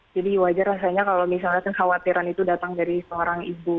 jadi wajar rasanya kalau misalnya kesawatiran itu datang dari seorang ibu